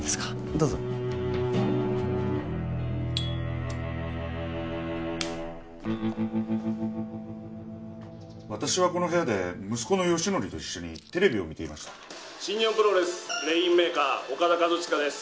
どうぞ私はこの部屋で息子の良典と一緒にテレビを見ていました新日本プロレスレインメーカーオカダ・カズチカです